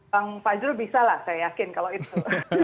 bang fajrul bisa lah saya yakin kalau itu